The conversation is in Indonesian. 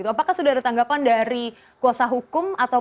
apakah sudah ada tanggapan dari kuasa hukum